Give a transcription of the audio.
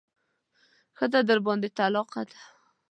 ښځه درباندې طلاقه ده.